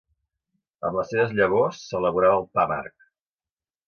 Amb les seves llavors s'elaborava el pa amarg.